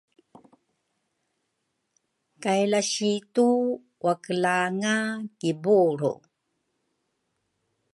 kay lasitu wakelanga kibulru.